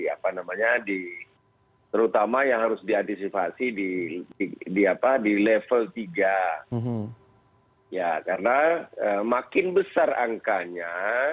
apa namanya di terutama yang harus diantisipasi di di apa di level tiga ya karena makin besar angkanya